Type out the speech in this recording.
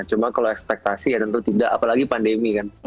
cuma kalau ekspektasi ya tentu tidak apalagi pandemi kan